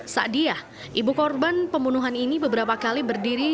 saat dia ibu korban pembunuhan ini beberapa kali berdiri